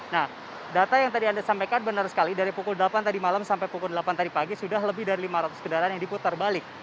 nah data yang tadi anda sampaikan benar sekali dari pukul delapan tadi malam sampai pukul delapan tadi pagi sudah lebih dari lima ratus kendaraan yang diputar balik